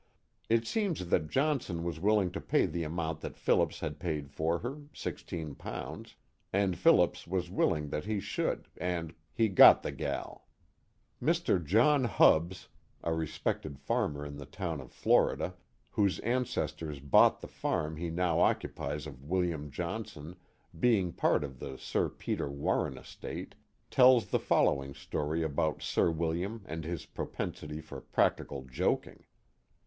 It seems that Johnson was willing to pay the amount that Phillips had paid for her, six teen pounds, and Phillips was willing that he should, and " he got the gal, '' In the Old Town of Amsterdam 163 Mr. John Hubbs, a respected farmer in the town of Florida, whose ancestors bought the farm he now occupies of William Johnson, being part of the Sir Peter Warren estate, tells the following story about Sir William and his propensity for practical joking.